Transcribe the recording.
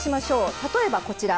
例えばこちら。